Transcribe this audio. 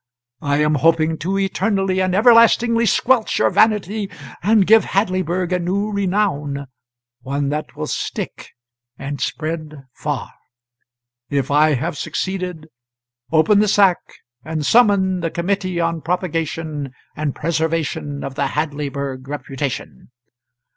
I am hoping to eternally and everlastingly squelch your vanity and give Hadleyburg a new renown one that will stick and spread far. If I have succeeded, open the sack and summon the Committee on Propagation and Preservation of the Hadleyburg Reputation.'"